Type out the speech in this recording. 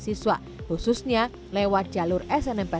kami juga mencari pelajaran yang lebih mudah untuk membuatnya lebih mudah